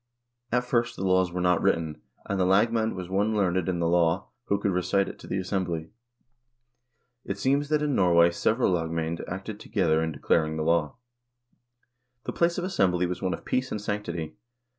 At first the laws were not written, and the lagmand was one learned in the law, who could recite it to the assembly. It seems that in Nor way several lagmand acted together in declaring the law. The place of assembly was one of peace and sanctity.